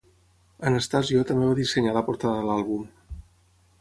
Anastasio també va dissenyar la portada de l'àlbum.